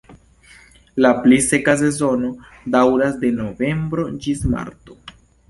La pli seka sezono daŭras de novembro ĝis marto.